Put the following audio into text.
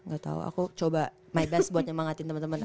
gak tau aku coba my best buat nyemangatin teman teman